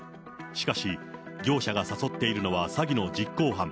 しかし、業者が誘っているのは詐欺の実行犯。